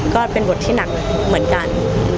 ก็เป็นบทที่หนักเหมือนกัน